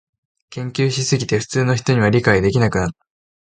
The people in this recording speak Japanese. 研究しすぎて普通の人には理解できなくなった